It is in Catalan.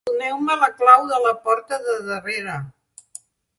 Doneu-me la clau de la porta de darrere.